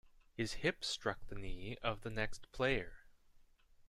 His hip struck the knee of the next player.